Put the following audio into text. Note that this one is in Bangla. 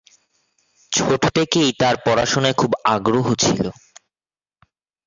ছোট থেকেই তার পড়াশুনোয় খুবই আগ্রহ ছিল।